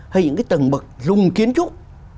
hay những cái tầng bậc dùng kiến trúc